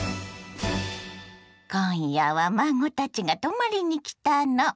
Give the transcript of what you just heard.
今夜は孫たちが泊まりに来たの。